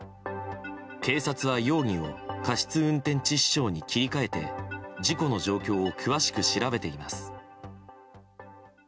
警察は、容疑を過失運転致死傷に切り替えて事故の状況を詳しく調べています。